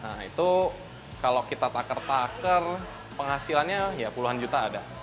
nah itu kalau kita takar takar penghasilannya ya puluhan juta ada